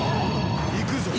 いくぞ。